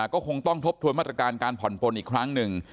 ก็คงต้องทบทวนมาตรการการผ่อนปนอีกครั้งหนึ่ง